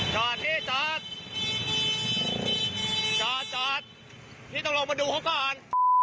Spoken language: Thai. จอดพี่จอดจอดนี่ต้องลงมาดูเขาก่อน